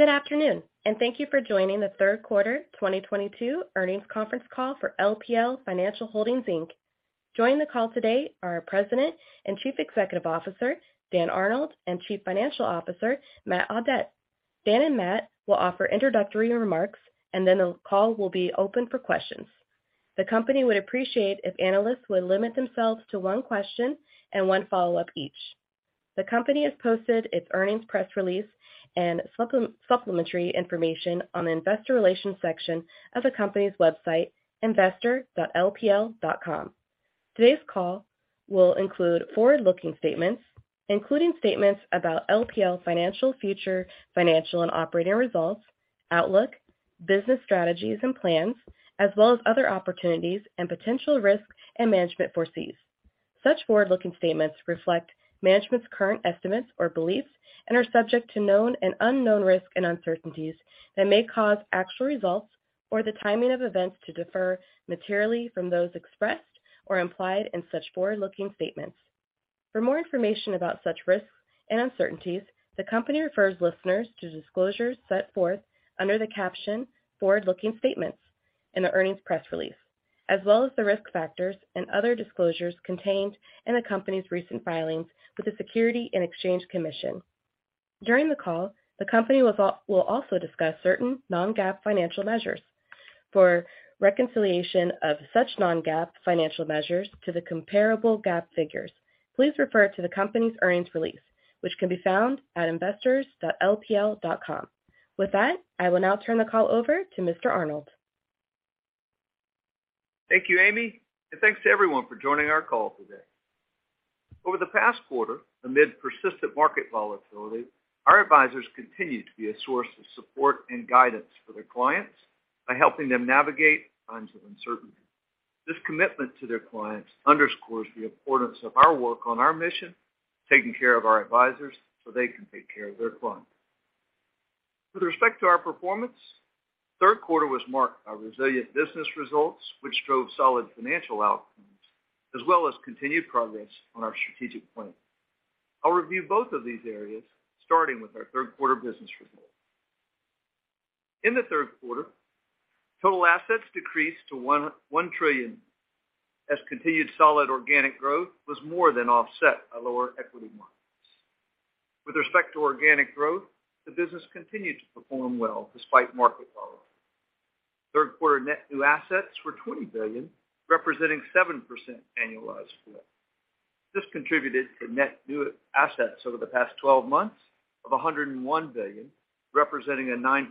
Good afternoon, and thank you for joining the third quarter 2022 earnings conference call for LPL Financial Holdings, Inc. Joining the call today are our President and Chief Executive Officer, Dan Arnold, and Chief Financial Officer, Matt Audette. Dan and Matt will offer introductory remarks, and then the call will be open for questions. The company would appreciate if analysts would limit themselves to one question and one follow-up each. The company has posted its earnings press release and supplementary information on the investor relations section of the company's website, investor.lpl.com. Today's call will include forward-looking statements, including statements about LPL Financial's future financial and operating results, outlook, business strategies and plans, as well as other opportunities and potential risks and management foresees. Such forward-looking statements reflect management's current estimates or beliefs and are subject to known and unknown risks and uncertainties that may cause actual results or the timing of events to differ materially from those expressed or implied in such forward-looking statements. For more information about such risks and uncertainties, the company refers listeners to disclosures set forth under the caption Forward-Looking Statements in the earnings press release, as well as the risk factors and other disclosures contained in the company's recent filings with the Securities and Exchange Commission. During the call, the company will also discuss certain non-GAAP financial measures. For reconciliation of such non-GAAP financial measures to the comparable GAAP figures, please refer to the company's earnings release, which can be found at investor.lpl.com. With that, I will now turn the call over to Mr. Arnold. Thank you, Amy, and thanks to everyone for joining our call today. Over the past quarter, amid persistent market volatility, our advisors continued to be a source of support and guidance for their clients by helping them navigate times of uncertainty. This commitment to their clients underscores the importance of our work on our mission, taking care of our advisors so they can take care of their clients. With respect to our performance, the third quarter was marked by resilient business results, which drove solid financial outcomes as well as continued progress on our strategic plan. I'll review both of these areas, starting with our third quarter business results. In the third quarter, total assets decreased to $1.1 trillion, as continued solid organic growth was more than offset by lower equity markets. With respect to organic growth, the business continued to perform well despite market volatility. Third quarter net new assets were $20 billion, representing 7% annualized growth. This contributed to net new assets over the past 12 months of $101 billion, representing a 9%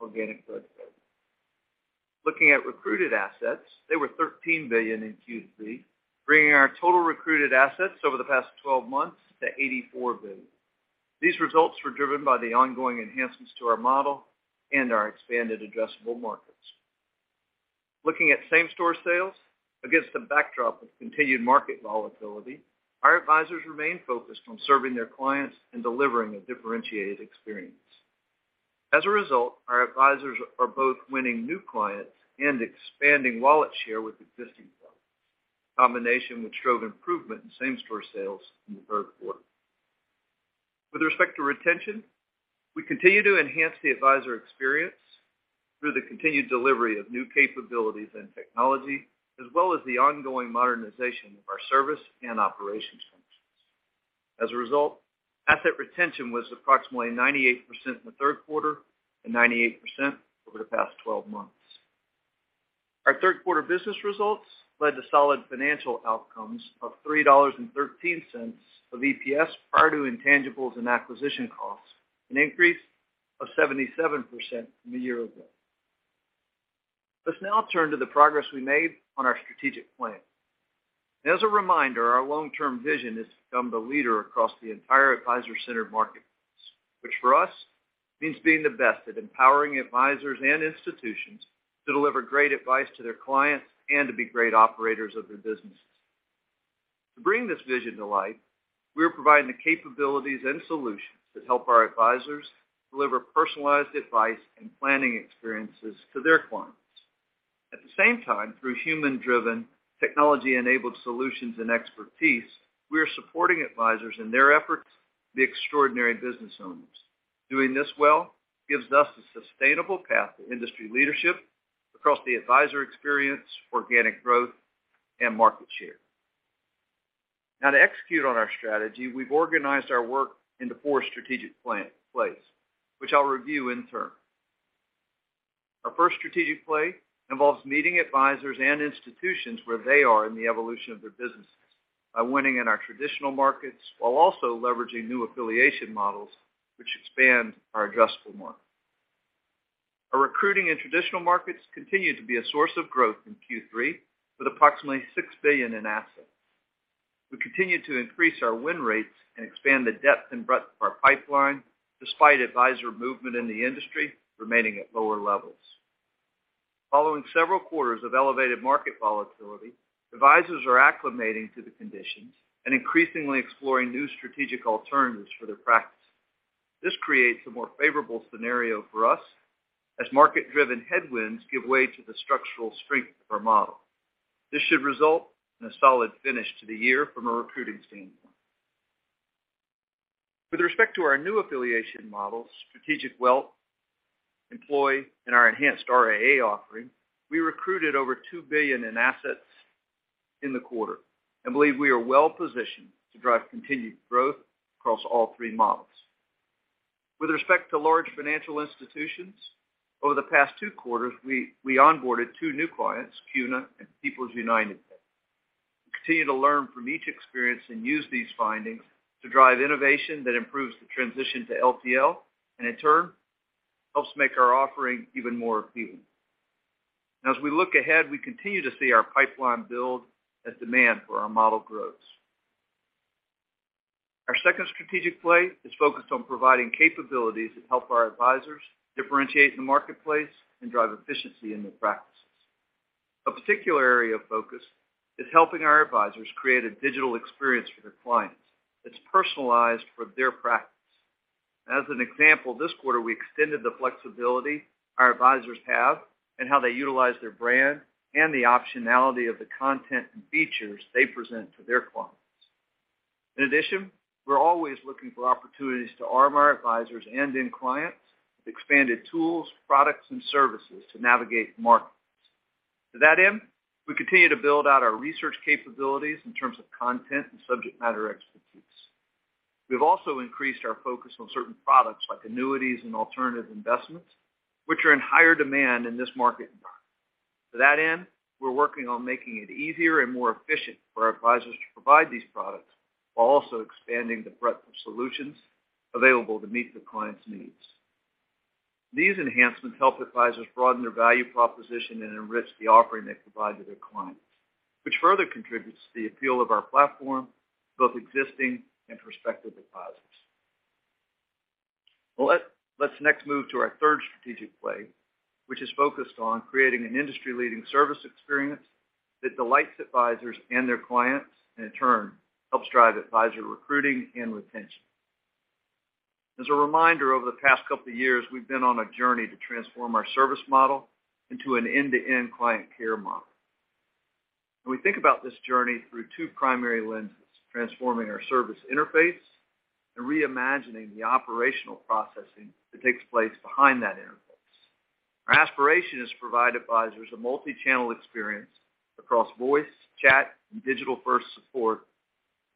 organic growth rate. Looking at recruited assets, they were $13 billion in Q3, bringing our total recruited assets over the past 12 months to $84 billion. These results were driven by the ongoing enhancements to our model and our expanded addressable markets. Looking at same-store sales against the backdrop of continued market volatility, our advisors remain focused on serving their clients and delivering a differentiated experience. As a result, our advisors are both winning new clients and expanding wallet share with existing clients, a combination which drove improvement in same-store sales in the third quarter. With respect to retention, we continue to enhance the advisor experience through the continued delivery of new capabilities and technology, as well as the ongoing modernization of our service and operations functions. As a result, asset retention was approximately 98% in the third quarter and 98% over the past 12 months. Our third quarter business results led to solid financial outcomes of $3.13 of EPS prior to intangibles and acquisition costs, an increase of 77% from a year ago. Let's now turn to the progress we made on our strategic plan. As a reminder, our long-term vision is to become the leader across the entire advisor-centered marketplace, which for us means being the best at empowering advisors and institutions to deliver great advice to their clients and to be great operators of their businesses. To bring this vision to life, we are providing the capabilities and solutions that help our advisors deliver personalized advice and planning experiences to their clients. At the same time, through human-driven technology-enabled solutions and expertise, we are supporting advisors in their efforts to be extraordinary business owners. Doing this well gives us a sustainable path to industry leadership across the advisor experience, organic growth, and market share. Now, to execute on our strategy, we've organized our work into 4 strategic plays, which I'll review in turn. Our first strategic play involves meeting advisors and institutions where they are in the evolution of their businesses by winning in our traditional markets while also leveraging new affiliation models which expand our addressable market. Our recruiting in traditional markets continued to be a source of growth in Q3, with approximately $6 billion in assets. We continued to increase our win rates and expand the depth and breadth of our pipeline despite advisor movement in the industry remaining at lower levels. Following several quarters of elevated market volatility, advisors are acclimating to the conditions and increasingly exploring new strategic alternatives for their practice. This creates a more favorable scenario for us. As market-driven headwinds give way to the structural strength of our model. This should result in a solid finish to the year from a recruiting standpoint. With respect to our new affiliation model, Strategic Wealth model in our enhanced RIA offering, we recruited over $2 billion in assets in the quarter. I believe we are well-positioned to drive continued growth across all 3 models. With respect to large financial institutions, over the past 2Q, we onboarded 2 new clients, CUNA and People's United Bank. We continue to learn from each experience and use these findings to drive innovation that improves the transition to LPL, and in turn, helps make our offering even more appealing. As we look ahead, we continue to see our pipeline build as demand for our model grows. Our second strategic play is focused on providing capabilities that help our advisors differentiate in the marketplace and drive efficiency in their practices. A particular area of focus is helping our advisors create a digital experience for their clients that's personalized for their practice. As an example, this quarter, we extended the flexibility our advisors have in how they utilize their brand and the optionality of the content and features they present to their clients. In addition, we're always looking for opportunities to arm our advisors and end clients with expanded tools, products, and services to navigate markets. To that end, we continue to build out our research capabilities in terms of content and subject matter expertise. We've also increased our focus on certain products like Annuities and Alternative Investments, which are in higher demand in this market environment. To that end, we're working on making it easier and more efficient for our advisors to provide these products while also expanding the breadth of solutions available to meet the clients' needs. These enhancements help advisors broaden their value proposition and enrich the offering they provide to their clients, which further contributes to the appeal of our platform, both existing and prospective advisors. Let's next move to our third strategic play, which is focused on creating an industry-leading service experience that delights advisors and their clients, and in turn, helps drive advisor recruiting and retention. As a reminder, over the past couple of years, we've been on a journey to transform our service model into an end-to-end client care model. We think about this journey through 2 primary lenses, transforming our service interface and reimagining the operational processing that takes place behind that interface. Our aspiration is to provide advisors a multi-channel experience across voice, chat, and digital-first support,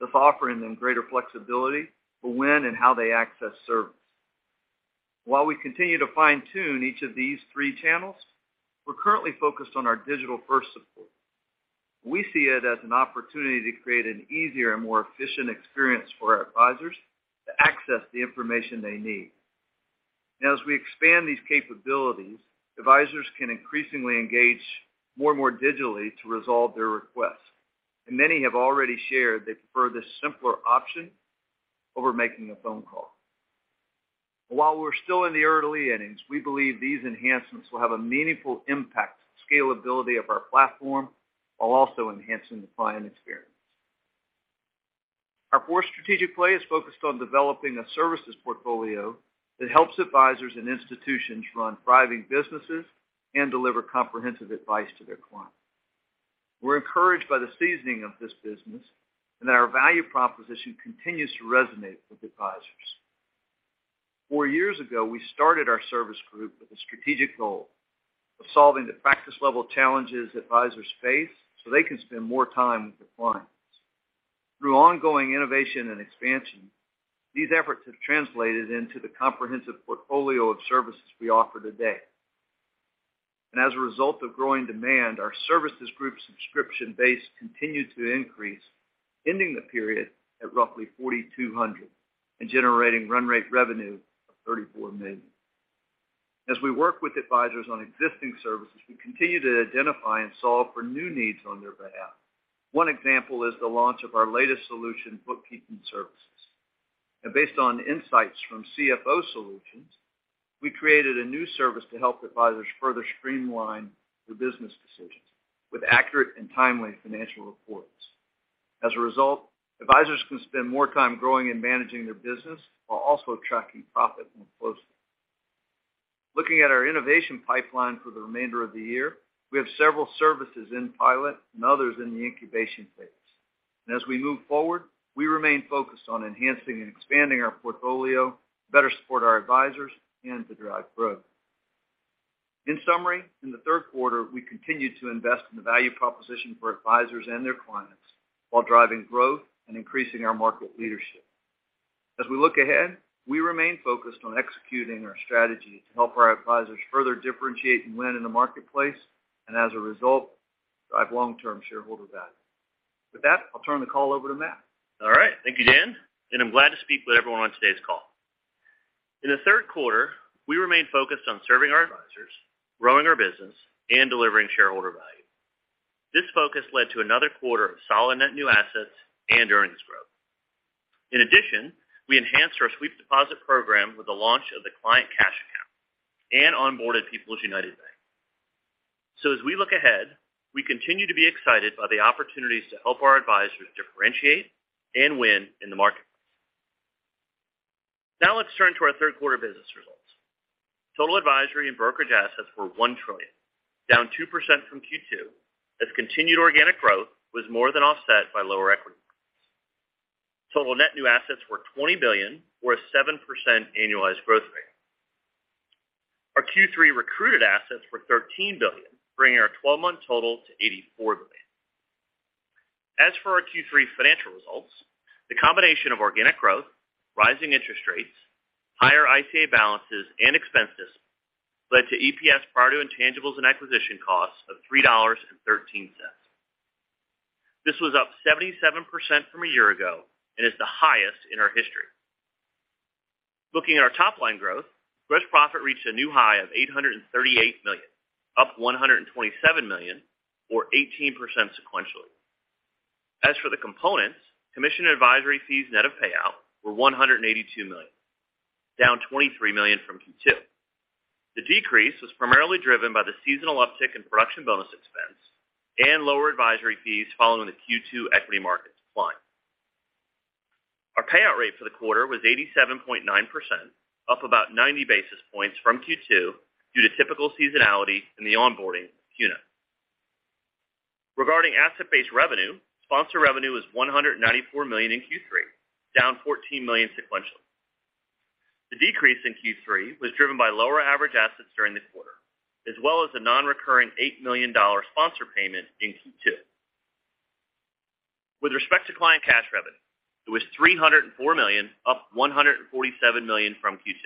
thus offering them greater flexibility for when and how they access service. While we continue to fine-tune each of these 3 channels, we're currently focused on our digital-first support. We see it as an opportunity to create an easier and more efficient experience for our advisors to access the information they need. Now as we expand these capabilities, advisors can increasingly engage more and more digitally to resolve their requests, and many have already shared they prefer this simpler option over making a phone call. While we're still in the early innings, we believe these enhancements will have a meaningful impact, scalability of our platform while also enhancing the client experience. Our fourth strategic play is focused on developing a services portfolio that helps advisors and institutions run thriving businesses and deliver comprehensive advice to their clients. We're encouraged by the seasoning of this business and that our value proposition continues to resonate with advisors. 4 years ago, we started our service group with a strategic goal of solving the practice-level challenges advisors face so they can spend more time with their clients. Through ongoing innovation and expansion, these efforts have translated into the comprehensive portfolio of services we offer today. As a result of growing demand, our services group subscription base continued to increase, ending the period at roughly 4,200 and generating run rate revenue of $34 million. As we work with advisors on existing services, we continue to identify and solve for new needs on their behalf. 1 example is the launch of our latest solution, bookkeeping services. Based on insights from CFO Solutions, we created a new service to help advisors further streamline their business decisions with accurate and timely financial reports. As a result, advisors can spend more time growing and managing their business while also tracking profit more closely. Looking at our innovation pipeline for the remainder of the year, we have several services in pilot and others in the incubation phase. As we move forward, we remain focused on enhancing and expanding our portfolio to better support our advisors and to drive growth. In summary, in the third quarter, we continued to invest in the value proposition for advisors and their clients while driving growth and increasing our market leadership. As we look ahead, we remain focused on executing our strategy to help our advisors further differentiate and win in the marketplace, and as a result, drive long-term shareholder value. With that, I'll turn the call over to Matt. All right. Thank you, Dan. I'm glad to speak with everyone on today's call. In the third quarter, we remained focused on serving our advisors, growing our business, and delivering shareholder value. This focus led to another quarter of solid net new assets and earnings growth. In addition, we enhanced our sweep deposit program with the launch of the Client Cash Account and onboarded People's United Bank. As we look ahead, we continue to be excited by the opportunities to help our advisors differentiate and win in the marketplace. Now let's turn to our third quarter business results. Total advisory and brokerage assets were $1 trillion, down 2% from Q2 as continued organic growth was more than offset by lower equity. Total net new assets were $20 billion, or a 7% annualized growth rate. Our Q3 recruited assets were $13 billion, bringing our 12-month total to $84 billion. As for our Q3 financial results, the combination of organic growth, rising interest rates, higher ICA balances and expenses led to EPS prior to intangibles and acquisition costs of $3.13. This was up 77% from a year ago and is the highest in our history. Looking at our top line growth, gross profit reached a new high of $838 million, up $127 million, or 18% sequentially. As for the components, commission advisory fees net of payout were $182 million, down $23 million from Q2. The decrease was primarily driven by the seasonal uptick in production bonus expense and lower advisory fees following the Q2 equity markets decline. Our payout rate for the quarter was 87.9%, up about 90 basis points from Q2 due to typical seasonality in the onboarding of CUNA. Regarding asset-based revenue, sponsor revenue was $194 million in Q3, down $14 million sequentially. The decrease in Q3 was driven by lower average assets during the quarter, as well as a non-recurring $8 million sponsor payment in Q2. With respect to client cash revenue, it was $304 million, up $147 million from Q2,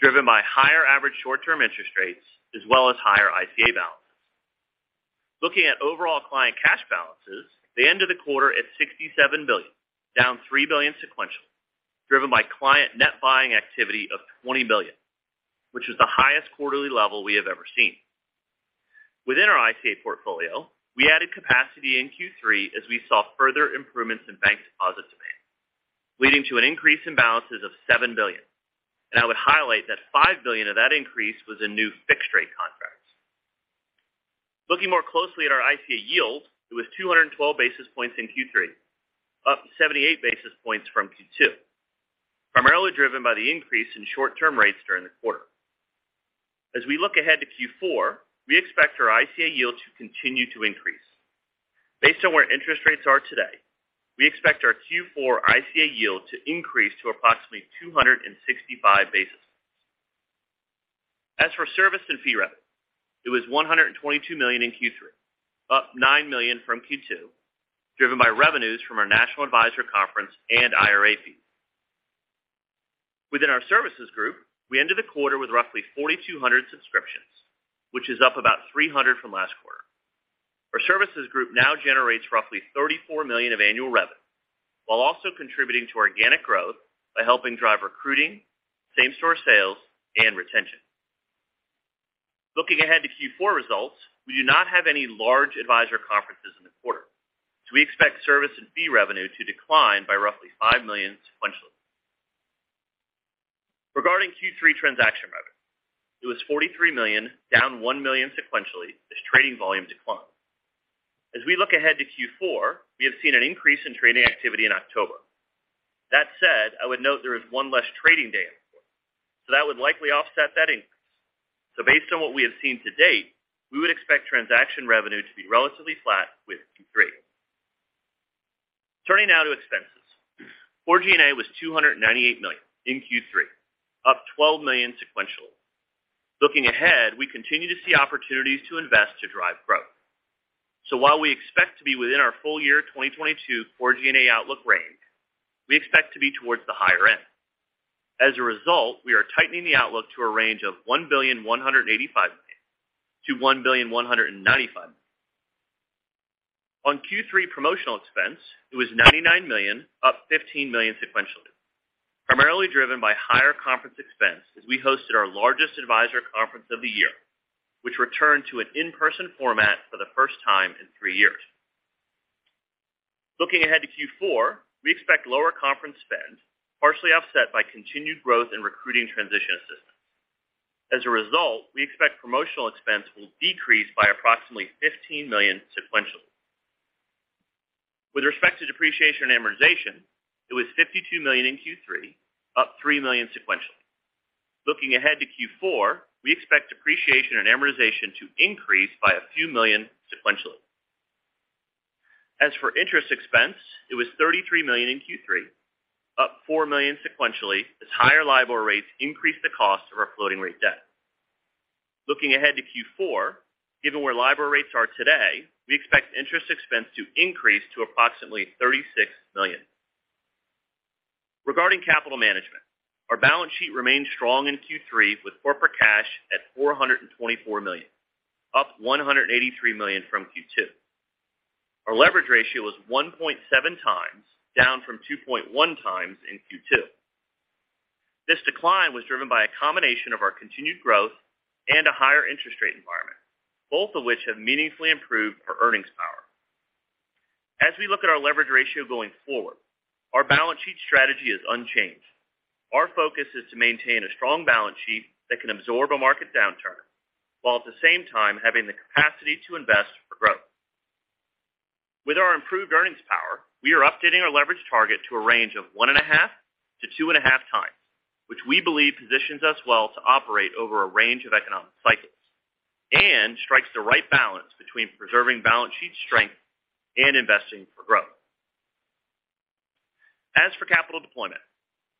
driven by higher average short-term interest rates as well as higher ICA balances. Looking at overall client cash balances, they ended the quarter at $67 billion, down $3 billion sequentially, driven by client net buying activity of $20 billion, which is the highest quarterly level we have ever seen. Within our ICA portfolio, we added capacity in Q3 as we saw further improvements in bank deposit demand, leading to an increase in balances of $7 billion. I would highlight that $5 billion of that increase was in new fixed rate contracts. Looking more closely at our ICA yield, it was 212 basis points in Q3, up 78 basis points from Q2, primarily driven by the increase in short-term rates during the quarter. As we look ahead to Q4, we expect our ICA yield to continue to increase. Based on where interest rates are today, we expect our Q4 ICA yield to increase to approximately 265 basis points. As for service and fee revenue, it was $122 million in Q3, up $9 million from Q2, driven by revenues from our national advisor conference and IRA fees. Within our services group, we ended the quarter with roughly 4,200 subscriptions, which is up about 300 from last quarter. Our services group now generates roughly $34 million of annual revenue, while also contributing to organic growth by helping drive recruiting, same-store sales, and retention. Looking ahead to Q4 results, we do not have any large advisor conferences in the quarter, so we expect service and fee revenue to decline by roughly $5 million sequentially. Regarding Q3 transaction revenue, it was $43 million, down $1 million sequentially as trading volume declined. As we look ahead to Q4, we have seen an increase in trading activity in October. That said, I would note there is 1 less trading day in the quarter, so that would likely offset that increase. Based on what we have seen to date, we would expect transaction revenue to be relatively flat with Q3. Turning now to expenses. core G&A was $298 million in Q3, up $12 million sequentially. Looking ahead, we continue to see opportunities to invest to drive growth. While we expect to be within our full-year 2022 core G&A outlook range, we expect to be towards the higher end. As a result, we are tightening the outlook to a range of $1,185 million-$1,195 million. On Q3 promotional expense, it was $99 million, up $15 million sequentially, primarily driven by higher conference expense as we hosted our largest advisor conference of the year, which returned to an in-person format for the first time in 3 years. Looking ahead to Q4, we expect lower conference spend, partially offset by continued growth in recruiting transition assistance. As a result, we expect promotional expense will decrease by approximately $15 million sequentially. With respect to depreciation and amortization, it was $52 million in Q3, up $3 million sequentially. Looking ahead to Q4, we expect depreciation and amortization to increase by a few million sequentially. As for interest expense, it was $33 million in Q3, up $4 million sequentially as higher LIBOR rates increased the cost of our floating rate debt. Looking ahead to Q4, given where LIBOR rates are today, we expect interest expense to increase to approximately $36 million. Regarding capital management, our balance sheet remained strong in Q3 with corporate cash at $424 million, up $183 million from Q2. Our leverage ratio was 1.7 times, down from 2.1 times in Q2. This decline was driven by a combination of our continued growth and a higher interest rate environment, both of which have meaningfully improved our earnings power. As we look at our leverage ratio going forward, our balance sheet strategy is unchanged. Our focus is to maintain a strong balance sheet that can absorb a market downturn, while at the same time having the capacity to invest for growth. With our improved earnings power, we are updating our leverage target to a range of 1.5-2.5 times, which we believe positions us well to operate over a range of economic cycles and strikes the right balance between preserving balance sheet strength and investing for growth. As for capital deployment,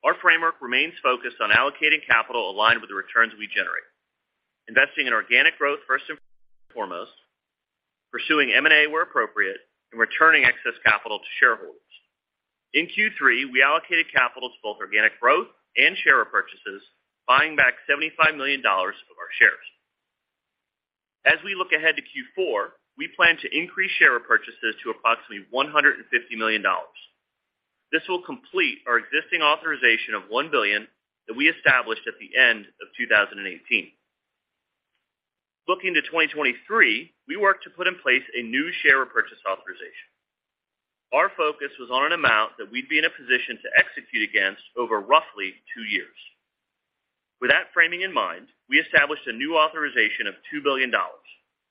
our framework remains focused on allocating capital aligned with the returns we generate, investing in organic growth first and foremost, pursuing M&A where appropriate, and returning excess capital to shareholders. In Q3, we allocated capital to both organic growth and share repurchases, buying back $75 million of our shares. As we look ahead to Q4, we plan to increase share repurchases to approximately $150 million. This will complete our existing authorization of $1 billion that we established at the end of 2018. Looking to 2023, we worked to put in place a new share repurchase authorization. Our focus was on an amount that we'd be in a position to execute against over roughly 2 years. With that framing in mind, we established a new authorization of $2 billion,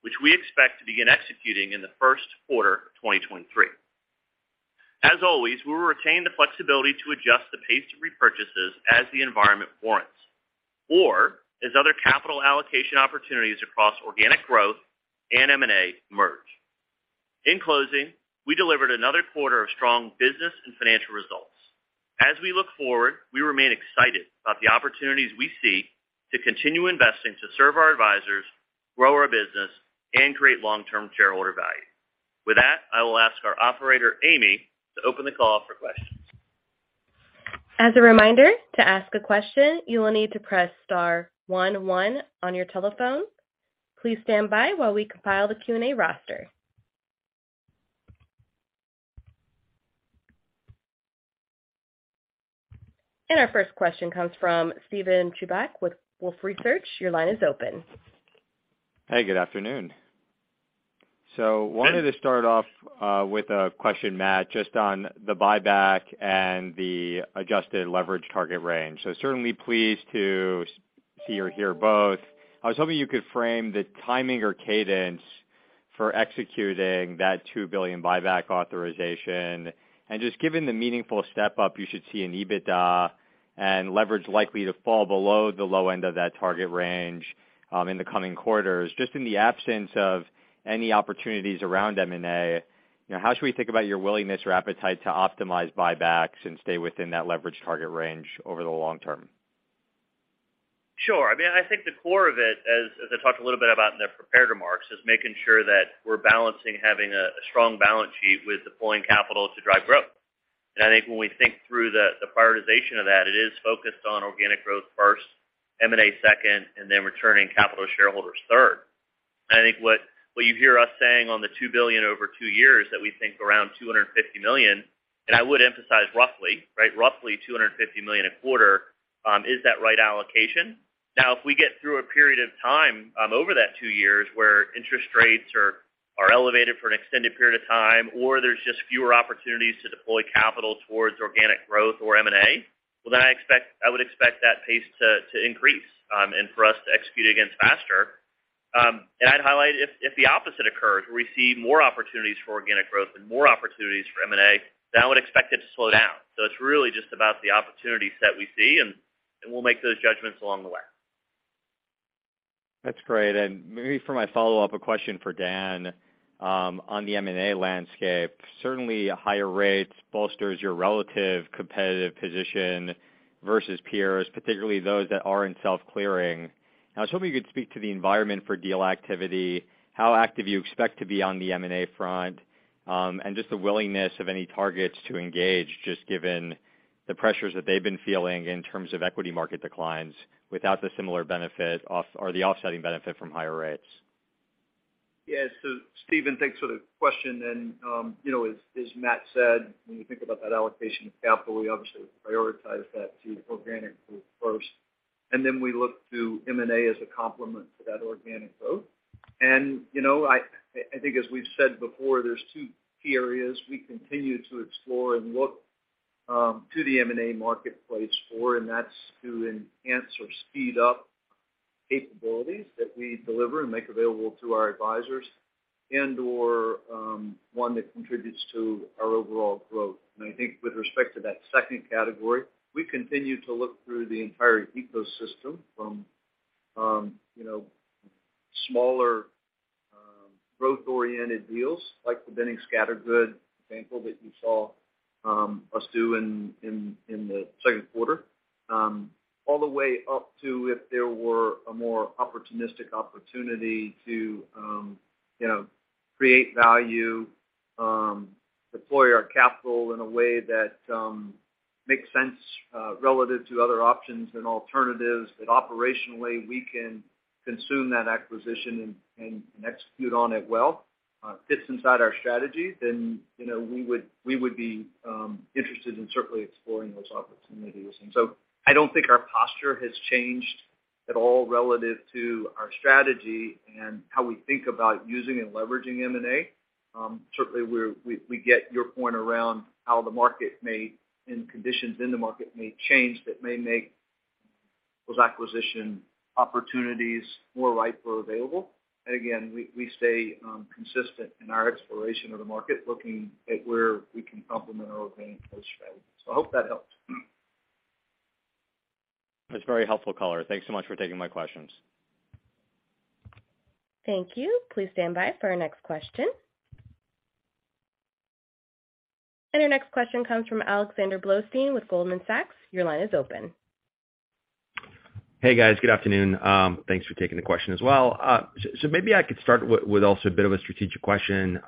which we expect to begin executing in the first quarter of 2023. As always, we will retain the flexibility to adjust the pace of repurchases as the environment warrants, or as other capital allocation opportunities across organic growth and M&A merge. In closing, we delivered another quarter of strong business and financial results. As we look forward, we remain excited about the opportunities we see to continue investing to serve our advisors, grow our business, and create long-term shareholder value. With that, I will ask our operator, Amy, to open the call for questions. As a reminder, to ask a question, you will need to press star one one on your telephone. Please stand by while we compile the Q&A roster. Our first question comes from Steven Chubak with Wolfe Research. Your line is open. Hey, good afternoon. Wanted to start off with a question, Matt, just on the buyback and the adjusted leverage target range. Certainly pleased to see or hear both. I was hoping you could frame the timing or cadence for executing that $2 billion buyback authorization. Just given the meaningful step up you should see in EBITDA and leverage likely to fall below the low end of that target range in the coming quarters, just in the absence of any opportunities around M&A, you know, how should we think about your willingness or appetite to optimize buybacks and stay within that leverage target range over the long term? Sure. I mean, I think the core of it, as I talked a little bit about in the prepared remarks, is making sure that we're balancing having a strong balance sheet with deploying capital to drive growth. I think when we think through the prioritization of that, it is focused on organic growth first, M&A second, and then returning capital to shareholders third. I think what you hear us saying on the $2 billion over 2 years that we think around $250 million, and I would emphasize roughly, right? Roughly $250 million a quarter is the right allocation. Now, if we get through a period of time over that 2 years where interest rates are elevated for an extended period of time, or there's just fewer opportunities to deploy capital towards organic growth or M&A, well, I would expect that pace to increase and for us to execute against faster. I'd highlight if the opposite occurs, we see more opportunities for organic growth and more opportunities for M&A, then I would expect it to slow down. It's really just about the opportunity set we see, and we'll make those judgments along the way. That's great. Maybe for my follow-up, a question for Dan, on the M&A landscape. Certainly, higher rates bolsters your relative competitive position versus peers, particularly those that are in self-clearing. I was hoping you could speak to the environment for deal activity, how active you expect to be on the M&A front, and just the willingness of any targets to engage, just given the pressures that they've been feeling in terms of equity market declines without the similar benefit or the offsetting benefit from higher rates. Yeah. Steven, thanks for the question. You know, as Matt said, when you think about that allocation of capital, we obviously prioritize that to organic growth first, and then we look to M&A as a complement to that organic growth. You know, I think as we've said before, there's 2 key areas we continue to explore and look to the M&A marketplace for, and that's to enhance or speed up capabilities that we deliver and make available to our advisors and/or one that contributes to our overall growth. I think with respect to that second category, we continue to look through the entire ecosystem from, you know, smaller, growth-oriented deals, like the Boenning & Scattergood example that you saw us do in the second quarter, all the way up to if there were a more opportunistic opportunity to, you know, create value, deploy our capital in a way that makes sense, relative to other options and alternatives that operationally we can consume that acquisition and execute on it well, fits inside our strategy, then, you know, we would be interested in certainly exploring those opportunities. I don't think our posture has changed at all relative to our strategy and how we think about using and leveraging M&A. Certainly we get your point around how the market may, and conditions in the market may change that may make those acquisition opportunities more ripe or available. Again, we stay consistent in our exploration of the market, looking at where we can complement our organic growth strategy. I hope that helps. It's very helpful, caller. Thanks so much for taking my questions. Thank you. Please stand by for our next question. Our next question comes from Alexander Blostein with Goldman Sachs. Your line is open. Hey, guys. Good afternoon. Thanks for taking the question as well. So maybe I could start with also a bit of a strategic question,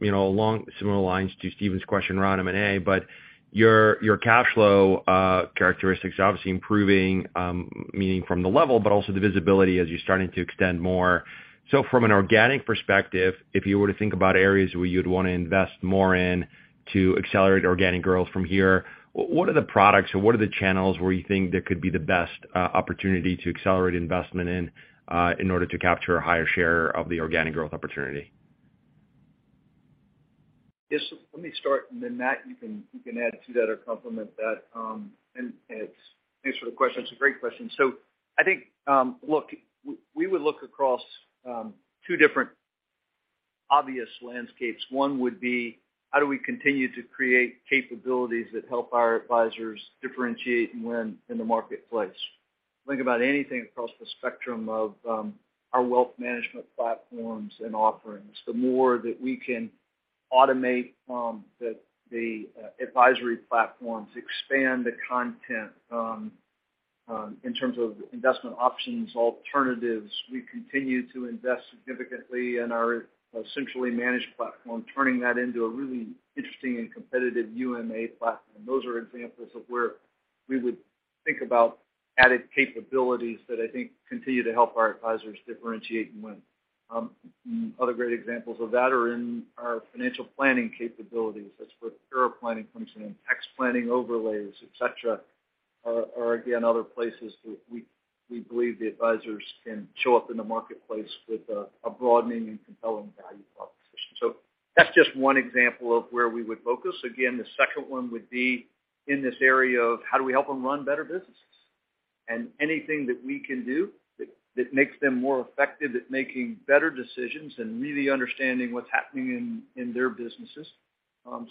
you know, along similar lines to Steven's question around M&A, but your cash flow characteristics are obviously improving, meaning from the level, but also the visibility as you're starting to extend more. From an organic perspective, if you were to think about areas where you'd wanna invest more in to accelerate organic growth from here, what are the products or what are the channels where you think there could be the best opportunity to accelerate investment in order to capture a higher share of the organic growth opportunity? Yes, let me start, and then Matt, you can add to that or complement that. Thanks for the question. It's a great question. I think, look, we would look across 2 different obvious landscapes. One would be, how do we continue to create capabilities that help our advisors differentiate and win in the marketplace? Think about anything across the spectrum of our wealth management platforms and offerings. The more that we can automate the advisory platforms, expand the content in terms of investment options, alternatives. We continue to invest significantly in our essentially managed platform, turning that into a really interesting and competitive UMA platform. Those are examples of where we would think about added capabilities that I think continue to help our advisors differentiate and win. Other great examples of that are in our financial planning capabilities. That's where pure planning comes in, tax planning overlays, et cetera, are again other places that we believe the advisors can show up in the marketplace with a broadening and compelling value proposition. That's just one example of where we would focus. Again, the second one would be in this area of how do we help them run better businesses? Anything that we can do that makes them more effective at making better decisions and really understanding what's happening in their businesses.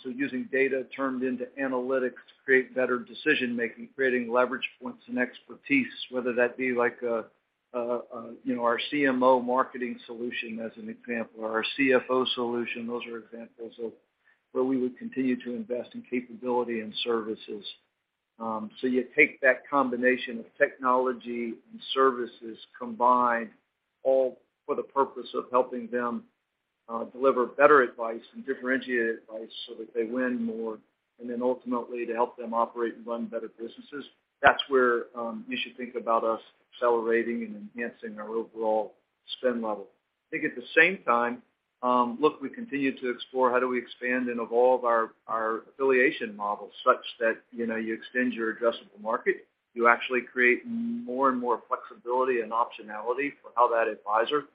Using data turned into analytics to create better decision-making, creating leverage points and expertise, whether that be like you know, our Marketing Solutions as an example, or our CFO Solutions. Those are examples of where we would continue to invest in capability and services. You take that combination of technology and services combined, all for the purpose of helping them deliver better advice and differentiated advice so that they win more, and then ultimately to help them operate and run better businesses. That's where you should think about us accelerating and enhancing our overall spend level. I think at the same time, look, we continue to explore how do we expand and evolve our affiliation models such that, you know, you extend your addressable market, you actually create more and more flexibility and optionality for how that advisor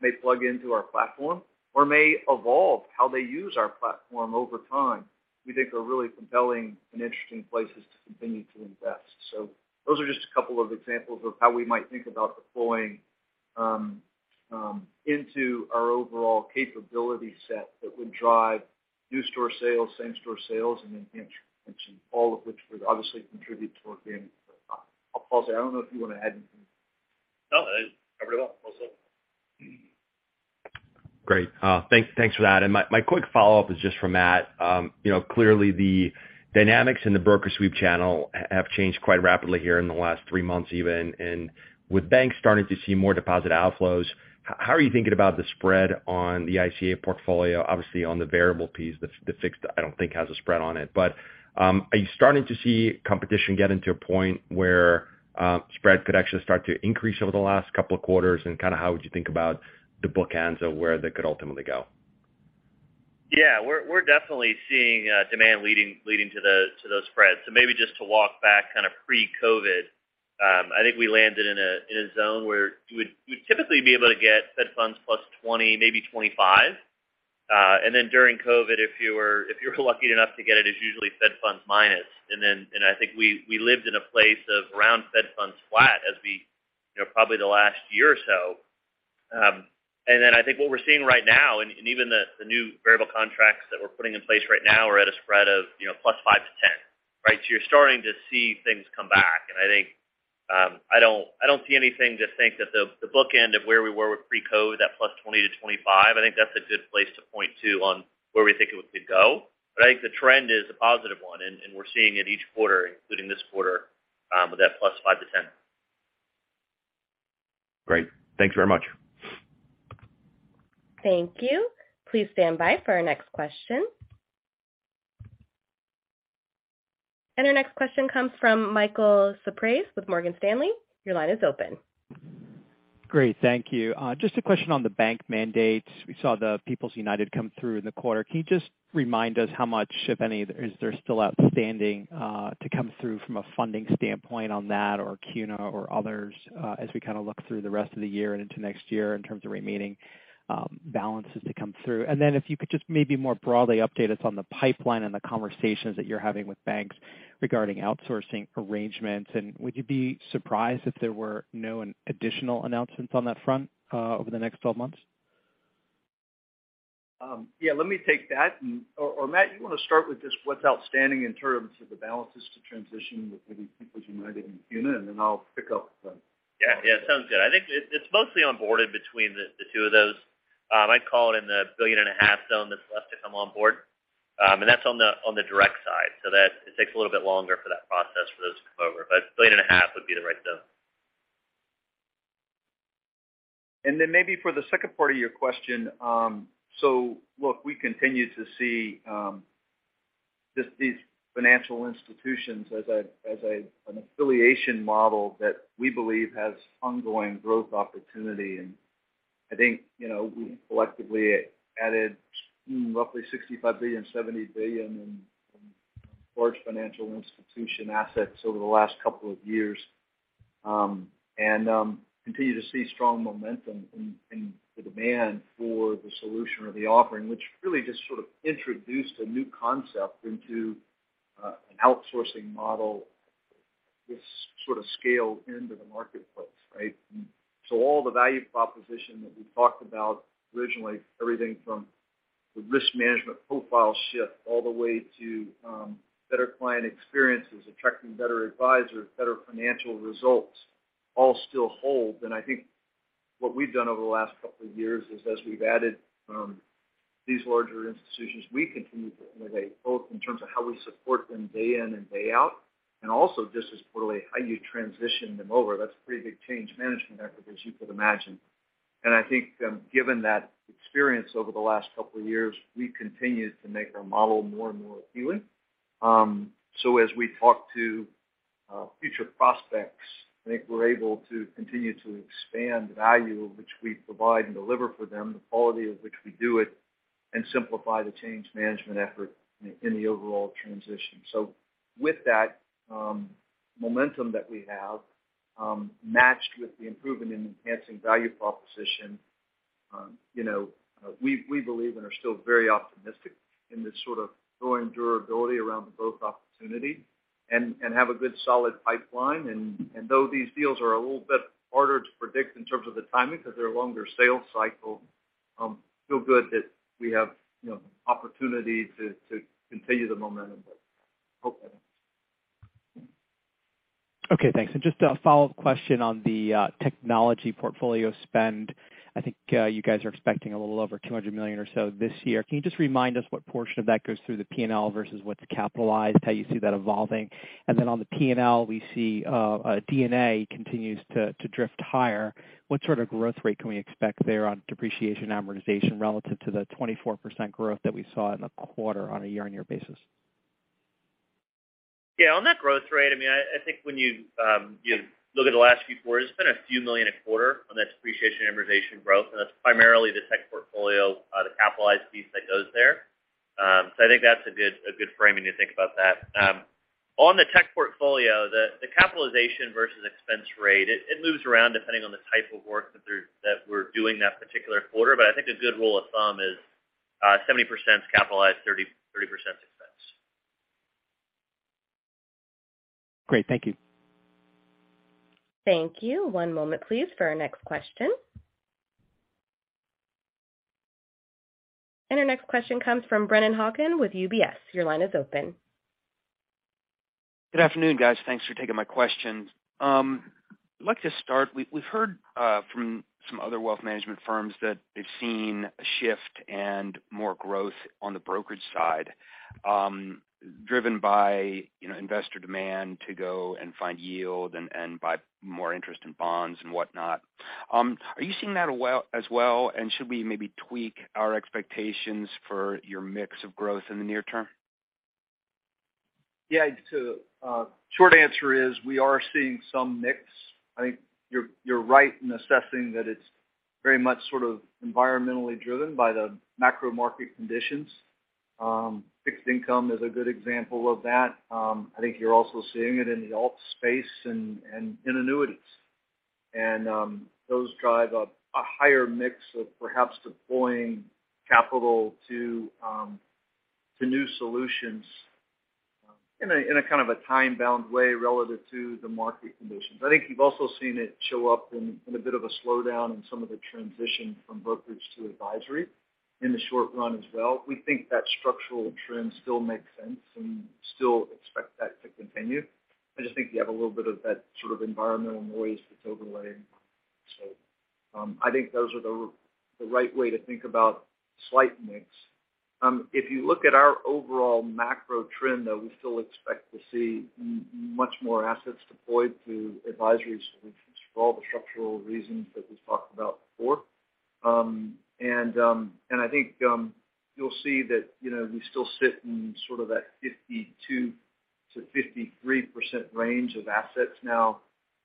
may plug into our platform or may evolve how they use our platform over time, we think are really compelling and interesting places to continue to invest. Those are just a couple of examples of how we might think about deploying into our overall capability set that would drive new store sales, same store sales, and enhance retention, all of which would obviously contribute to our game. I'll pause there. I don't know if you wanna add anything. No, I think you covered it well. Well said. Great. Thanks for that. My quick follow-up is just for Matt. You know, clearly the dynamics in the broker sweep channel have changed quite rapidly here in the last 3 months even. With banks starting to see more deposit outflows, how are you thinking about the spread on the ICA portfolio, obviously on the variable piece? The fixed I don't think has a spread on it. But are you starting to see competition getting to a point where spreads could actually start to increase over the last couple of quarters? Kinda how would you think about the bookends of where they could ultimately go? Yeah. We're definitely seeing demand leading to those spreads. Maybe just to walk back kinda pre-COVID, I think we landed in a zone where we'd typically be able to get Fed Funds plus 20, maybe 25. During COVID, if you were lucky enough to get it's usually Fed Funds minus. I think we lived in a place of around Fed Funds flat as we, you know, probably the last year or so. I think what we're seeing right now, even the new variable contracts that we're putting in place right now are at a spread of, you know, plus 5-10, right? You're starting to see things come back. I think I don't see anything to think that the bookend of where we were with pre-COVID, that +20%-25%, I think that's a good place to point to on where we think it could go. I think the trend is a positive one, and we're seeing it each quarter, including this quarter, with that +5%-10%. Great. Thank you very much. Thank you. Please stand by for our next question. Our next question comes from Michael Cyprys with Morgan Stanley. Your line is open. Great. Thank you. Just a question on the bank mandates. We saw the People's United come through in the quarter. Can you just remind us how much, if any, is there still outstanding, to come through from a funding standpoint on that or CUNA or others, as we kind of look through the rest of the year and into next year in terms of remaining balances to come through? And then if you could just maybe more broadly update us on the pipeline and the conversations that you're having with banks regarding outsourcing arrangements. And would you be surprised if there were no additional announcements on that front, over the next twelve months? Yeah, let me take that. Or Matt, you wanna start with just what's outstanding in terms of the balances to transition with maybe People's United and CUNA, and then I'll pick up the Yeah. Yeah, sounds good. I think it's mostly onboarded between the 2 of those. I'd call it in the $1.5 billion zone that's left to come on board. That's on the direct side. That it takes a little bit longer for that process for those to come over. $1.5 billion would be the right zone. Then maybe for the second part of your question, so look, we continue to see just these financial institutions as an affiliation model that we believe has ongoing growth opportunity. I think, you know, we collectively added roughly $65 billion-$70 billion in large financial institution assets over the last couple of years. Continue to see strong momentum in the demand for the solution or the offering, which really just sort of introduced a new concept into an outsourcing model with sort of scale into the marketplace, right? All the value proposition that we talked about originally, everything from the risk management profile shift all the way to better client experiences, attracting better advisors, better financial results, all still hold. I think what we've done over the last couple of years is as we've added these larger institutions, we continue to innovate, both in terms of how we support them day in and day out, and also just as importantly, how you transition them over. That's a pretty big change management effort, as you could imagine. I think, given that experience over the last couple of years, we continue to make our model more and more appealing. As we talk to future prospects, I think we're able to continue to expand the value which we provide and deliver for them, the quality of which we do it, and simplify the change management effort in the overall transition. With that momentum that we have matched with the improvement in enhancing value proposition, you know, we believe and are still very optimistic in this sort of growing durability around the growth opportunity and have a good solid pipeline. Though these deals are a little bit harder to predict in terms of the timing because they're a longer sales cycle, feel good that we have, you know, opportunity to continue the momentum. Hopefully. Okay, thanks. Just a follow-up question on the technology portfolio spend. I think you guys are expecting a little over $200 million or so this year. Can you just remind us what portion of that goes through the P&L versus what's capitalized, how you see that evolving? Then on the P&L, we see D&A continues to drift higher. What sort of growth rate can we expect there on depreciation amortization relative to the 24% growth that we saw in the quarter on a year-on-year basis? On that growth rate, I mean, I think when you look at the last few quarters, it's been a few million a quarter on that depreciation and amortization growth, and that's primarily the tech portfolio, the capitalized piece that goes there. So I think that's a good framing to think about that. On the tech portfolio, the capitalization versus expense rate, it moves around depending on the type of work that we're doing that particular quarter. I think a good rule of thumb is 70% capitalized, 30% expense. Great. Thank you. Thank you. One moment please for our next question. Our next question comes from Brennan Hawken with UBS. Your line is open. Good afternoon, guys. Thanks for taking my questions. I'd like to start, we've heard from some other wealth management firms that they've seen a shift and more growth on the brokerage side, driven by, you know, investor demand to go and find yield and buy more interest in bonds and whatnot. Are you seeing that as well, and should we maybe tweak our expectations for your mix of growth in the near term? Yeah. Short answer is we are seeing some mix. I think you're right in assessing that it's very much sort of environmentally driven by the macro market conditions. Fixed income is a good example of that. I think you're also seeing it in the alt space and in annuities. Those drive a higher mix of perhaps deploying capital to new solutions in a kind of a time-bound way relative to the market conditions. I think you've also seen it show up in a bit of a slowdown in some of the transition from brokerage to advisory in the short run as well. We think that structural trend still makes sense, and we still expect that to continue. I just think you have a little bit of that sort of environmental noise that's overlaying. I think those are the right way to think about slight mix. If you look at our overall macro trend, though, we still expect to see much more assets deployed to advisory solutions for all the structural reasons that we've talked about before. I think you'll see that, you know, we still sit in sort of that 52%-53% range of assets now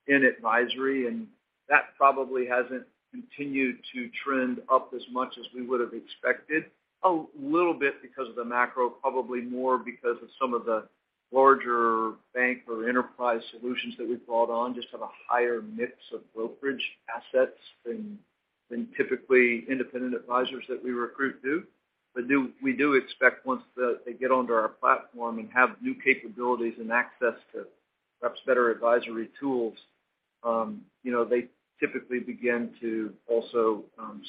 in advisory, and that probably hasn't continued to trend up as much as we would have expected. A little bit because of the macro, probably more because of some of the larger bank or enterprise solutions that we've brought on just have a higher mix of brokerage assets than typically independent advisors that we recruit do. We do expect once they get onto our platform and have new capabilities and access to perhaps better advisory tools, you know, they typically begin to also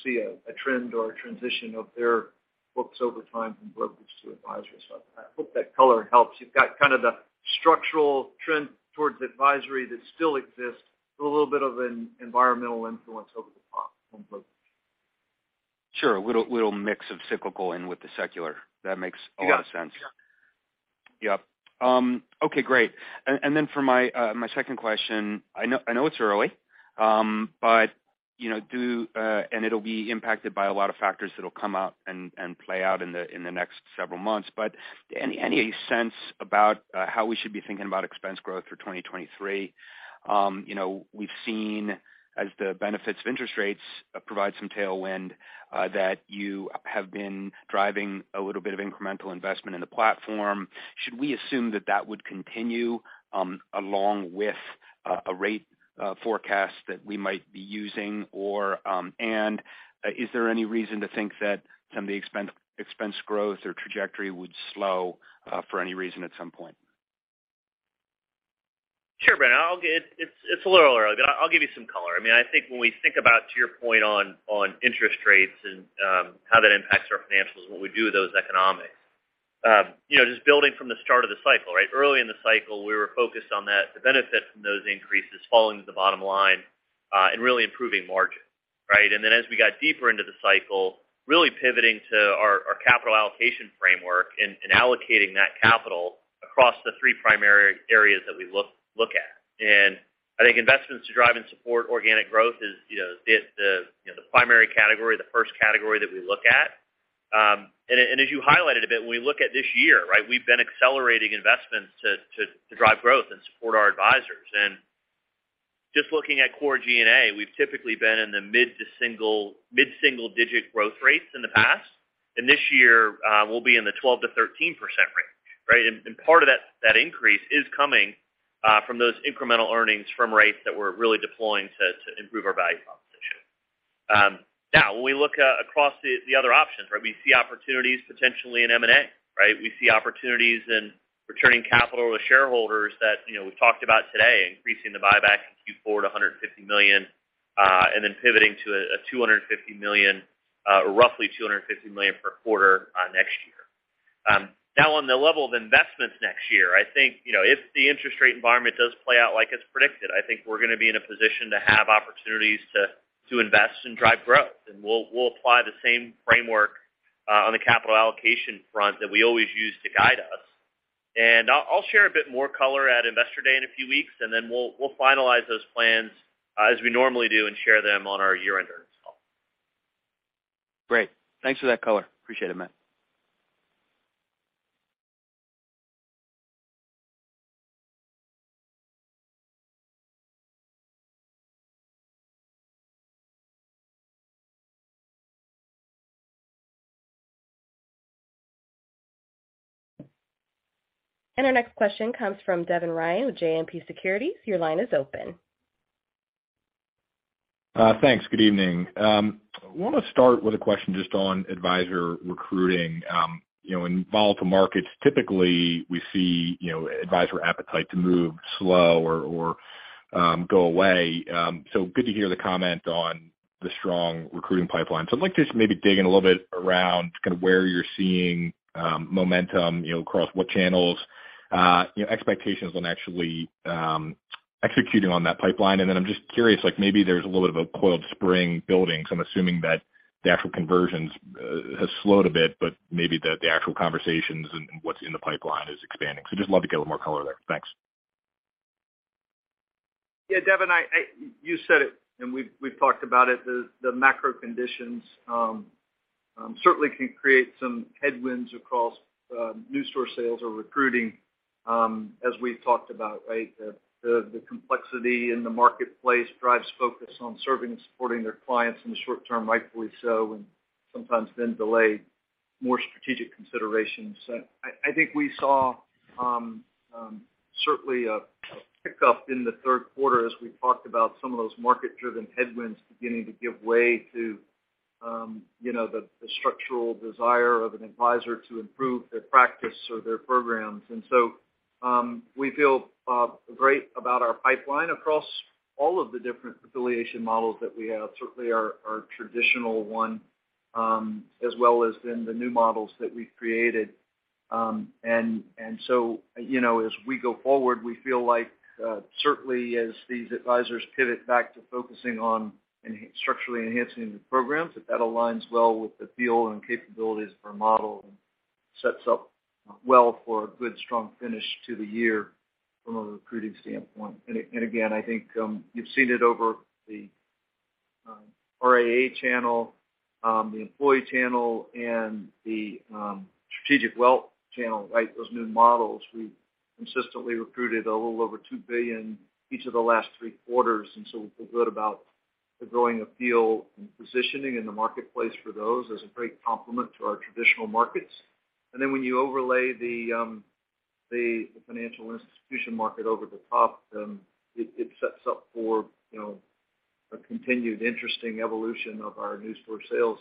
see a trend or a transition of their books over time from brokerage to advisory. I hope that color helps. You've got kind of the structural trend towards advisory that still exists, put a little bit of an environmental influence over the top on both. Sure. A little mix of cyclical in with the secular. That makes a lot of sense. Yeah. Yep. Okay, great. Then for my second question. I know it's early. You know, it'll be impacted by a lot of factors that'll come out and play out in the next several months. Any sense about how we should be thinking about expense growth for 2023? You know, we've seen as the benefits of interest rates provide some tailwind that you have been driving a little bit of incremental investment in the platform. Should we assume that would continue along with a rate forecast that we might be using? Or is there any reason to think that some of the expense growth or trajectory would slow for any reason at some point? Sure, Brent. It's a little early, but I'll give you some color. I mean, I think when we think about, to your point on interest rates and how that impacts our financials and what we do with those economics. You know, just building from the start of the cycle, right? Early in the cycle, we were focused on that, the benefit from those increases falling to the bottom line, and really improving margin, right? As we got deeper into the cycle, really pivoting to our capital allocation framework and allocating that capital across the 3 primary areas that we look at. I think investments to drive and support organic growth is, you know, the primary category, the first category that we look at. As you highlighted a bit, when we look at this year, right, we've been accelerating investments to drive growth and support our advisors. Just looking at core G&A, we've typically been in the mid-single-digit growth rates in the past. This year, we'll be in the 12%-13% range, right? Part of that increase is coming from those incremental earnings from rates that we're really deploying to improve our value proposition. Now, when we look across the other options, right, we see opportunities potentially in M&A, right? We see opportunities in returning capital to shareholders that, you know, we talked about today, increasing the buyback in Q4 to $150 million, and then pivoting to a $250 million, or roughly $250 million per quarter, next year. Now, on the level of investments next year, I think, you know, if the interest rate environment does play out like it's predicted, I think we're gonna be in a position to have opportunities to invest and drive growth. We'll apply the same framework on the capital allocation front that we always use to guide us. I'll share a bit more color at Investor Day in a few weeks, and then we'll finalize those plans as we normally do, and share them on our year-end earnings call. Great. Thanks for that color. Appreciate it, Matt. Our next question comes from Devin Ryan with JMP Securities. Your line is open. Thanks. Good evening. I wanna start with a question just on advisor recruiting. You know, in volatile markets, typically we see, you know, advisor appetite to move slow or go away. Good to hear the comment on the strong recruiting pipeline. I'd like to just maybe dig in a little bit around kind of where you're seeing momentum, you know, across what channels. You know, expectations on actually executing on that pipeline. And then I'm just curious, like maybe there's a little bit of a coiled spring building, so I'm assuming that the actual conversions has slowed a bit, but maybe the actual conversations and what's in the pipeline is expanding. Just love to get a little more color there. Thanks. Yeah, Devin, you said it and we've talked about it. The macro conditions certainly can create some headwinds across new store sales or recruiting, as we've talked about, right? The complexity in the marketplace drives focus on serving and supporting their clients in the short term, rightfully so, and sometimes then delay more strategic considerations. I think we saw certainly a pick-up in the third quarter as we talked about some of those market-driven headwinds beginning to give way to you know, the structural desire of an advisor to improve their practice or their programs. We feel great about our pipeline across all of the different affiliation models that we have. Certainly our traditional one as well as then the new models that we've created. you know, as we go forward, we feel like, certainly as these advisors pivot back to focusing on structurally enhancing the programs, that aligns well with the feel and capabilities of our model and sets up well for a good, strong finish to the year from a recruiting standpoint. I think, you've seen it over the RIA channel, the employee channel, and the strategic wealth channel, right? Those new models, we've consistently recruited a little over $2 billion each of the last 3Q, and so we feel good about the growing appeal and positioning in the marketplace for those as a great complement to our traditional markets. Then when you overlay the financial institution market over the top, it sets up for, you know, a continued interesting evolution of our institutional sales.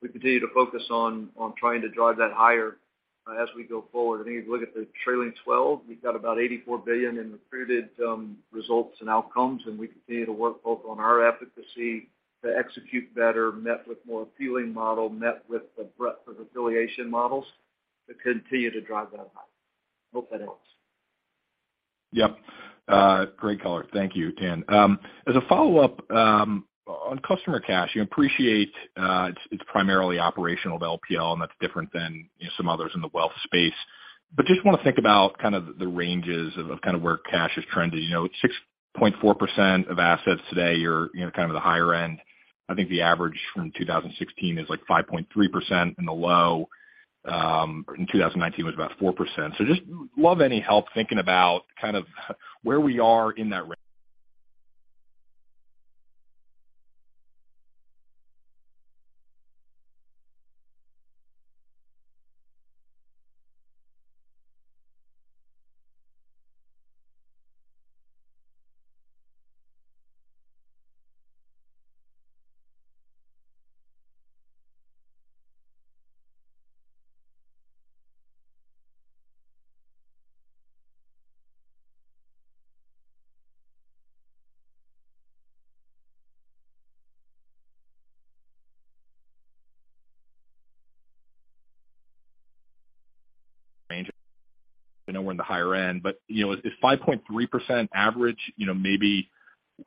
We continue to focus on trying to drive that higher, as we go forward. I think if you look at the trailing twelve, we've got about $84 billion in recruited results and outcomes, and we continue to work both on our efficacy to execute better, along with more appealing model, along with the breadth of affiliation models to continue to drive that high. Hope that helps. Yep. Great color. Thank you, Dan. As a follow-up, on customer cash, you appreciate, it's primarily operational LPL, and that's different than, you know, some others in the wealth space. Just wanna think about kind of the ranges of kind of where cash is trending. You know, it's 6.4% of assets today. You're, you know, kind of the higher end. I think the average from 2016 is, like, 5.3%, and the low in 2019 was about 4%. Just love any help thinking about kind of where we are in that range. We know we're in the higher end, but, you know, is 5.3% average, you know, maybe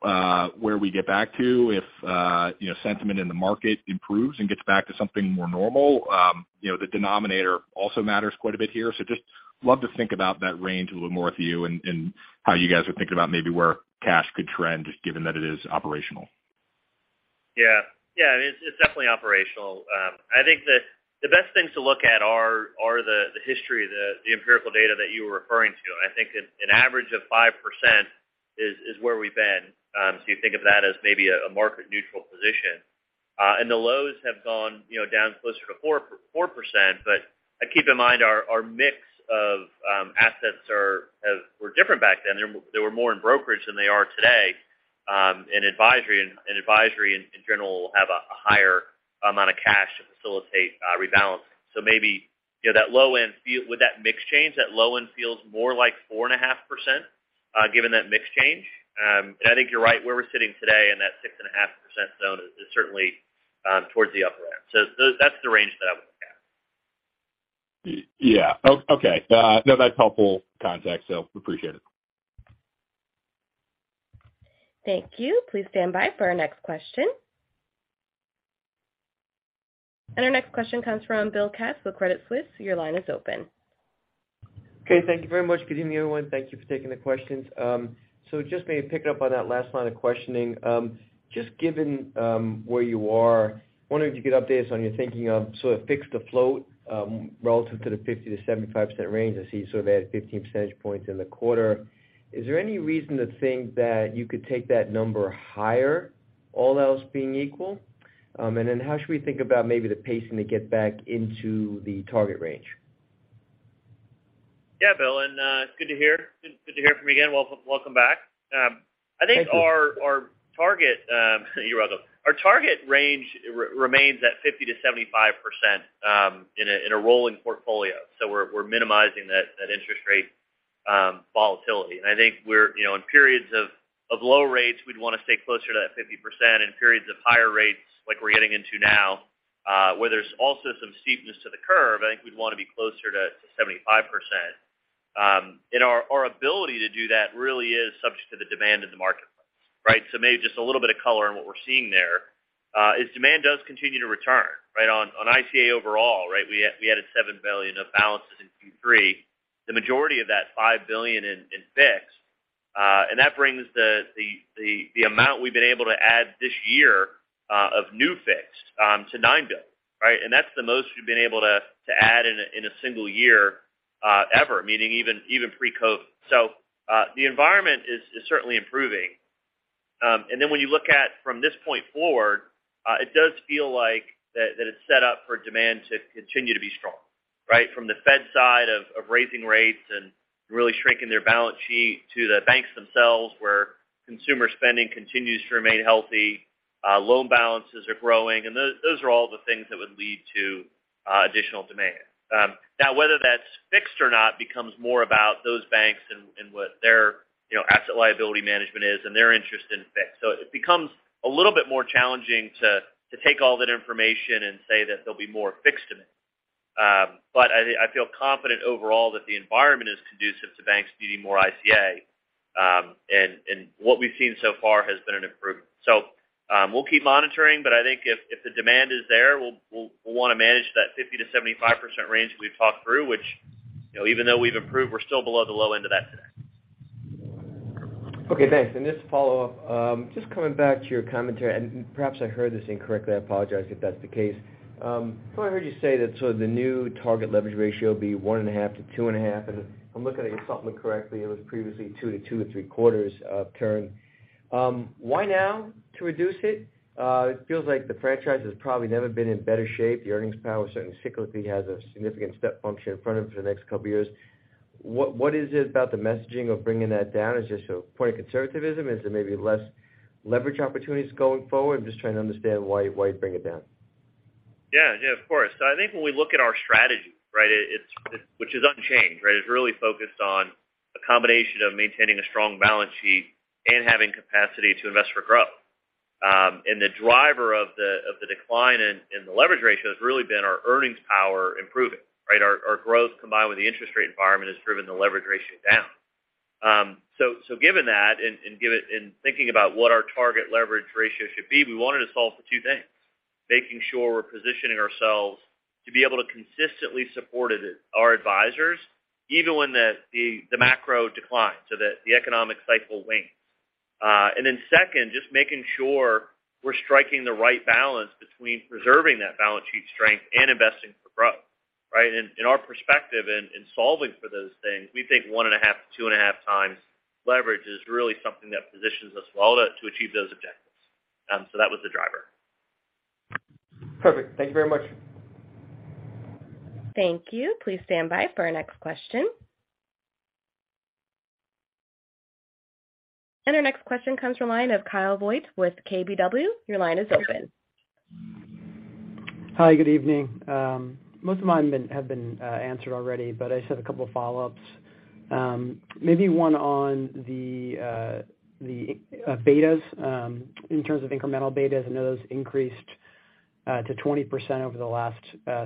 where we get back to if, you know, sentiment in the market improves and gets back to something more normal? You know, the denominator also matters quite a bit here. Just love to think about that range a little more with you and how you guys are thinking about maybe where cash could trend given that it is operational. Yeah. I mean, it's definitely operational. I think the best things to look at are the history, the empirical data that you were referring to. I think an average of 5% is where we've been. So you think of that as maybe a market neutral position. The lows have gone, you know, down closer to 4%. Keep in mind our mix of assets were different back then. They were more in brokerage than they are today, in advisory. Advisory in general will have a higher amount of cash to facilitate rebalance. Maybe, you know, that low end, with that mix change, feels more like 4.5%, given that mix change. I think you're right, where we're sitting today in that 6.5% zone is certainly towards the upper end. That's the range that I would look at. Yeah. Okay. No, that's helpful context, so appreciate it. Thank you. Please stand by for our next question. Our next question comes from Bill Katz with Credit Suisse. Your line is open. Okay. Thank you very much. Good evening, everyone. Thank you for taking the questions. Just maybe picking up on that last line of questioning. Just given where you are, wondering if you could update us on your thinking of sort of fixed to float relative to the 50%-75% range. I see you sort of added 15 percentage points in the quarter. Is there any reason to think that you could take that number higher, all else being equal? How should we think about maybe the pacing to get back into the target range? Yeah, Bill, good to hear. Good to hear from you again. Welcome back. Thank you. I think our target range remains at 50%-75% in a rolling portfolio. We're minimizing that interest rate volatility. I think we're, you know, in periods of low rates, we'd want to stay closer to that 50%. In periods of higher rates, like we're getting into now, where there's also some steepness to the curve, I think we'd want to be closer to 75%. And our ability to do that really is subject to the demand in the marketplace, right? Maybe just a little bit of color on what we're seeing there is demand does continue to return, right? On ICA overall, right, we added $7 billion of balances in Q3, the majority of that $5 billion in fixed. That brings the amount we've been able to add this year of new fixed to $9 billion, right? That's the most we've been able to add in a single year ever, meaning even pre-COVID. The environment is certainly improving. And then when you look forward from this point forward, it does feel like that it's set up for demand to continue to be strong, right? From the Fed side of raising rates and really shrinking their balance sheet to the banks themselves, where consumer spending continues to remain healthy, loan balances are growing, and those are all the things that would lead to additional demand. Now whether that's fixed or not becomes more about those banks and what their, you know, asset liability management is and their interest in fixed. It becomes a little bit more challenging to take all that information and say that there'll be more fixed demand. I feel confident overall that the environment is conducive to banks needing more ICA. What we've seen so far has been an improvement. We'll keep monitoring, but I think if the demand is there, we'll wanna manage that 50%-75% range that we've talked through which, you know, even though we've improved, we're still below the low end of that today. Okay, thanks. Just to follow up, just coming back to your commentary, and perhaps I heard this incorrectly, I apologize if that's the case. Thought I heard you say that sort of the new target leverage ratio will be 1.5-2.5. If I'm looking at your supplement correctly, it was previously 2-2.75 turns. Why now to reduce it? It feels like the franchise has probably never been in better shape. The earnings power certainly cyclically has a significant step function in front of it for the next couple years. What is it about the messaging of bringing that down? Is it just a point of conservatism? Is it maybe less leverage opportunities going forward? I'm just trying to understand why you'd bring it down. Yeah. Yeah, of course. I think when we look at our strategy, right, which is unchanged, right? It's really focused on a combination of maintaining a strong balance sheet and having capacity to invest for growth. The driver of the decline in the leverage ratio has really been our earnings power improving, right? Our growth combined with the interest rate environment has driven the leverage ratio down. Given that, and thinking about what our target leverage ratio should be, we wanted to solve for 2 things. Making sure we're positioning ourselves to be able to consistently support it, our advisors, even when the macro declines, so that the economic cycle wanes. Second, just making sure we're striking the right balance between preserving that balance sheet strength and investing for growth, right? In our perspective, in solving for those things, we think 1.5-2.5 times leverage is really something that positions us well to achieve those objectives. That was the driver. Perfect. Thank you very much. Thank you. Please stand by for our next question. Our next question comes from line of Kyle Voigt with KBW. Your line is open. Hi, good evening. Most of mine have been answered already, but I just have a couple follow-ups. Maybe one on the betas, in terms of incremental betas. I know those increased to 20% over the last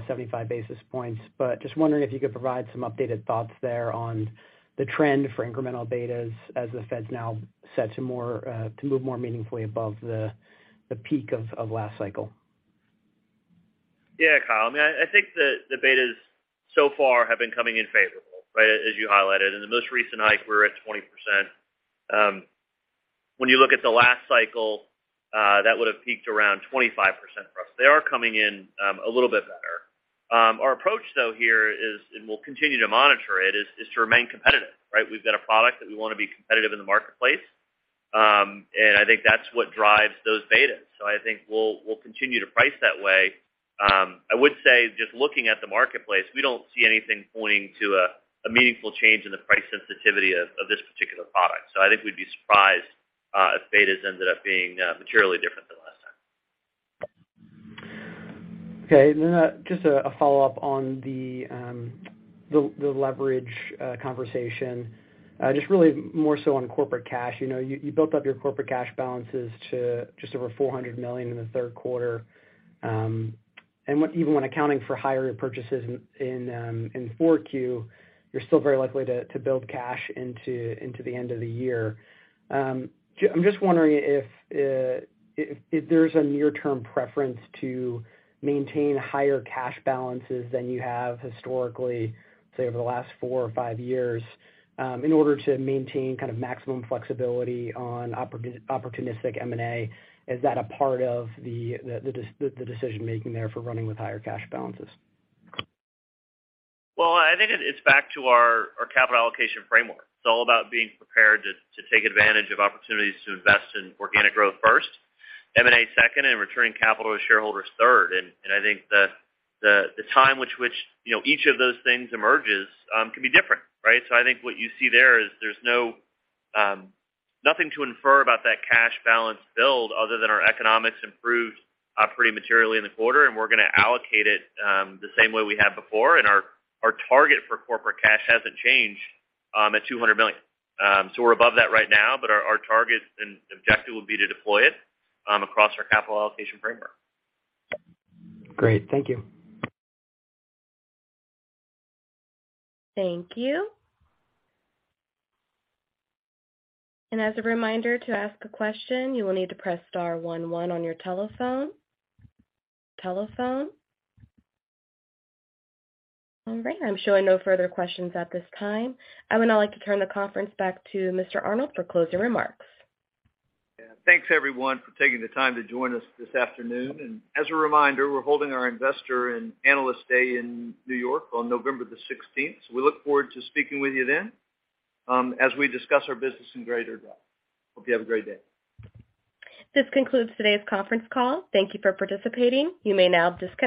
75 basis points. Just wondering if you could provide some updated thoughts there on the trend for incremental betas as the Fed's now set to move more meaningfully above the peak of last cycle. Yeah, Kyle. I mean, I think the betas so far have been coming in favorable, right, as you highlighted. In the most recent hike, we were at 20%. When you look at the last cycle, that would've peaked around 25% for us. They are coming in a little bit better. Our approach though here is, and we'll continue to monitor it, to remain competitive, right? We've got a product that we wanna be competitive in the marketplace. I think that's what drives those betas. So I think we'll continue to price that way. I would say just looking at the marketplace, we don't see anything pointing to a meaningful change in the price sensitivity of this particular product. I think we'd be surprised if betas ended up being materially different than last time. Okay. Just a follow-up on the leverage conversation. Just really more so on corporate cash. You know, you built up your corporate cash balances to just over $400 million in the third quarter. Even when accounting for higher purchases in 4Q, you're still very likely to build cash into the end of the year. I'm just wondering if there's a near-term preference to maintain higher cash balances than you have historically, say, over the last 4 or 5 years, in order to maintain kind of maximum flexibility on opportunistic M&A. Is that a part of the decision-making there for running with higher cash balances? Well, I think it's back to our capital allocation framework. It's all about being prepared to take advantage of opportunities to invest in organic growth first, M&A second, and returning capital to shareholders third. I think the time which you know each of those things emerges can be different, right? I think what you see there is there's no nothing to infer about that cash balance build other than our economics improved pretty materially in the quarter, and we're gonna allocate it the same way we have before. Our target for corporate cash hasn't changed at $200 million. We're above that right now, but our target and objective would be to deploy it across our capital allocation framework. Great. Thank you. Thank you. As a reminder, to ask a question, you will need to press star one one on your telephone. All right. I'm showing no further questions at this time. I would now like to turn the conference back to Mr. Arnold for closing remarks. Yeah. Thanks everyone for taking the time to join us this afternoon. As a reminder, we're holding our Investor and Analyst Day in New York on November, 16. We look forward to speaking with you then, as we discuss our business in greater depth. Hope you have a great day. This concludes today's conference call. Thank you for participating. You may now disconnect.